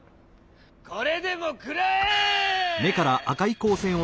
これでもくらえ！